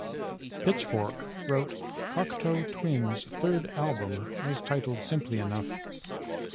"Pitchfork" wrote, "Cocteau Twins' third album was titled simply enough.